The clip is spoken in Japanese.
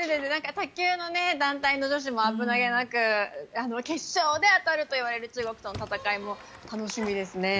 卓球の団体の女子も危なげなく決勝で当たるといわれる中国との戦いも楽しみですね。